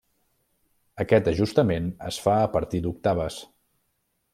Aquest ajustament es fa a partir d'octaves.